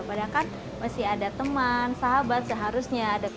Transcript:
padahal kan masih ada teman sahabat seharusnya